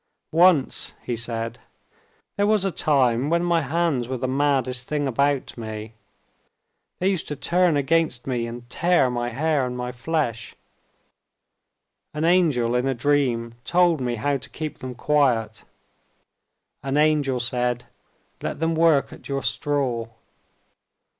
"Once," he said, "there was a time when my hands were the maddest things about me. They used to turn against me and tear my hair and my flesh. An angel in a dream told me how to keep them quiet. An angel said, "Let them work at your straw."